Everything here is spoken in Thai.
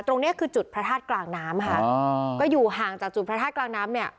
ตรงนี้คือจุดพระธาตุกลางน้ำค่ะอ๋อก็อยู่ห่างจากจุดพระธาตุกลางน้ำเนี่ย